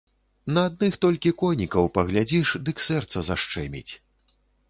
На адных толькі конікаў паглядзіш, дык сэрца зашчэміць.